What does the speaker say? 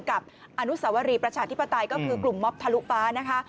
กับอนุสวรีประชาธิปไตยก็คือกลุ่มมอบทะลุฟ้านะคะ